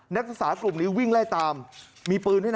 นักศึกษากลุ่มนี้วิ่งไล่ตามมีปืนด้วยนะ